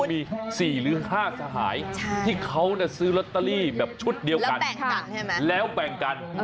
มี๔หรือ๕สหายที่เขาซื้อลอตเตอรี่แบบชุดเดียวกันแล้วแบ่งกัน